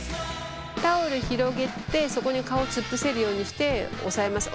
タオル広げてそこに顔突っ伏せるようにして押さえます。